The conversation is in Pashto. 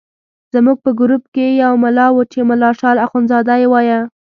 زموږ په ګروپ کې یو ملا وو چې ملا شال اخندزاده یې وایه.